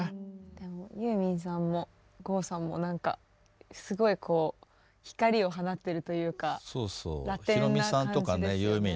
でもユーミンさんも郷さんも何かすごいこう光を放ってるというかラテンな感じですよね。